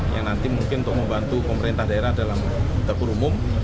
yang nanti mungkin untuk membantu pemerintah daerah dalam dapur umum